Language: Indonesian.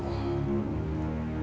sehingga gayatri harus menemani